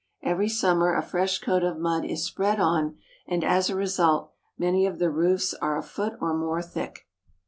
Every summer a fresh coat of mud is spread on, and as a result many of the roofs are a foot or more thick.